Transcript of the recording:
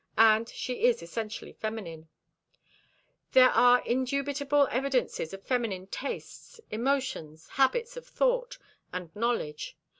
And she is essentially feminine. There are indubitable evidences of feminine tastes, emotions, habits of thought, and knowledge.